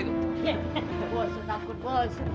bersuh takut bos